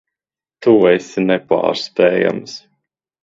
Tu esi nepārspējams.